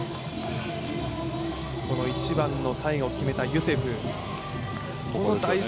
１番の、最後決めたユセフ。